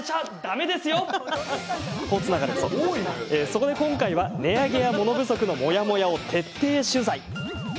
そこで今回は値上げや物不足のモヤモヤを徹底取材。